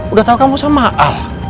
udah tau kamu sama al